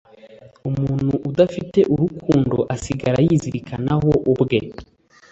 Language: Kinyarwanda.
Umuntu udafite urukundo asigara yizirikanaho ubwe